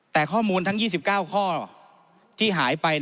แต่ข้อมูลทั้ง๒๙ข้อที่หายไป